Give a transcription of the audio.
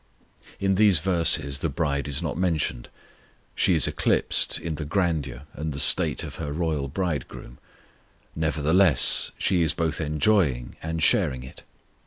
In these verses the bride is not mentioned; she is eclipsed in the grandeur and the state of her royal Bridegroom; nevertheless, she is both enjoying and sharing it.